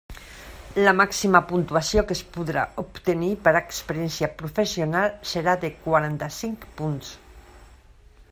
La màxima puntuació que es podrà obtenir per experiència professional serà de quaranta-cinc punts.